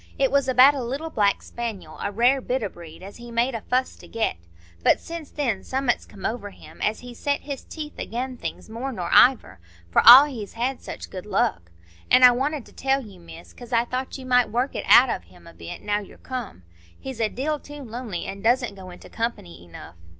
It was about a little black spaniel—a rare bit o' breed—as he made a fuss to get. But since then summat's come over him, as he's set his teeth again' things more nor iver, for all he's had such good luck. An' I wanted to tell you, Miss, 'cause I thought you might work it out of him a bit, now you're come. He's a deal too lonely, and doesn't go into company enough."